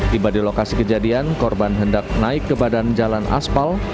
tiba di lokasi kejadian korban hendak naik ke badan jalan aspal